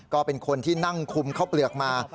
ก็เป็นคนที่นั่งคุมข้าวเปลือกมา